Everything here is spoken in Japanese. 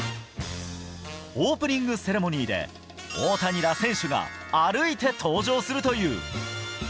オープニングセレモニーで、大谷ら選手が歩いて登場するという。